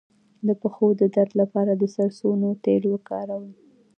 د پښو د درد لپاره د سرسونو تېل وکاروئ